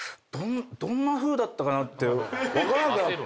どんなふうだったかなって分からなくなって。